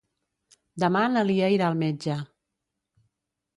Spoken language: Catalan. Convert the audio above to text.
Demà na Lia irà al metge.